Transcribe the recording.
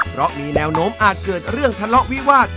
เพราะมีแนวโน้มอาจเกิดเรื่องทะเลาะวิวาส